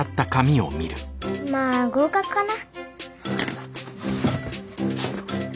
まあ合格かな。